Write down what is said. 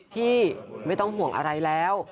พี่ไม่ต้องห่วงอะไรแล้ว